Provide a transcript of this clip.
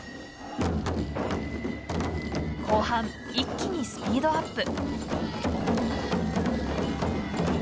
後半、一気にスピードアップ。